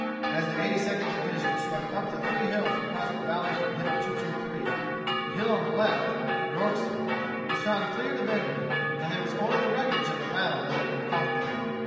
As the Eighty Second Division swept up the three hills across the valley from Hill No. 223, the hill on the left York's Hill was found cleared of the enemy and there was only the wreckage of the battle that had been fought there.